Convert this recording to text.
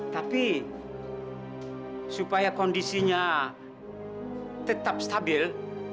tapi supaya kondisinya tetap stabil